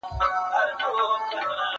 زه اوږده وخت کتابونه وړم وم،